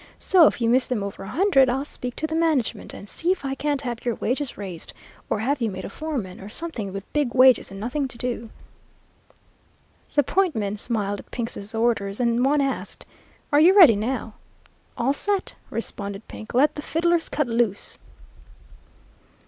So if you miss them over a hundred, I'll speak to the management, and see if I can't have your wages raised, or have you made a foreman or something with big wages and nothing to do.' "The point men smiled at Pink's orders, and one asked, 'Are you ready now?' "'All set,' responded Pink. 'Let the fiddlers cut loose.'